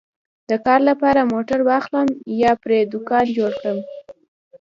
د کار لپاره موټر واخلم یا پرې دوکان جوړ کړم